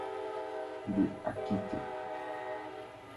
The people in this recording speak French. Il est acquitté.